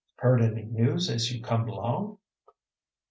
"Heard any news as you come along?"